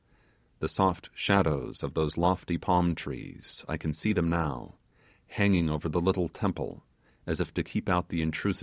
The soft shadows of those lofty palm trees! I can see them now hanging over the little temple, as if to keep out the intrusive sun.